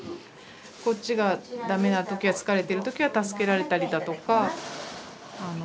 こっちがダメな時は疲れてる時は助けられたりだとか。